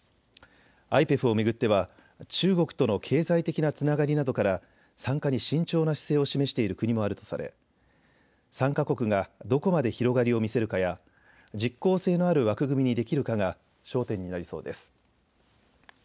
ＩＰＥＦを巡っては中国との経済的なつながりなどから参加に慎重な姿勢を示している国もあるとされ参加国がどこまで広がりを見せるかや実効性のある枠組みにできるかが焦点になりそうです。